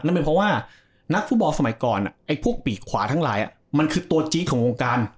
เป็นเพราะว่านักฟุตบอลสมัยก่อนไอ้พวกปีกขวาทั้งหลายมันคือตัวจี๊ดของวงการ